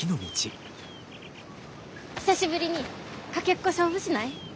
久しぶりにかけっこ勝負しない？